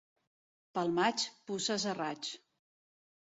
Pel maig, puces a raig.